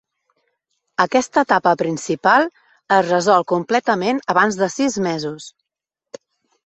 Aquesta etapa principal es resol completament abans de sis mesos.